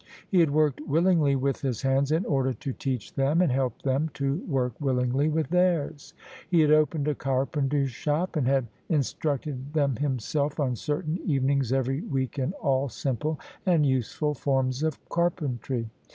He had worked willingly with his hands in order to teach them and help them to work will ingly with theirs: he had opened a carpenter's shop and had instructed them himself on certain evenings every week in all simple and useful forms of carpentry.